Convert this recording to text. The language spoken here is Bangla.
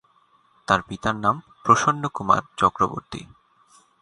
তার পিতার নাম প্রসন্নকুমার চক্রবর্তী।